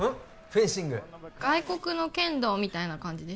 フェンシング外国の剣道みたいな感じでしょ？